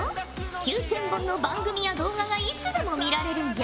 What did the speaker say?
９，０００本の番組や動画がいつでも見られるんじゃ。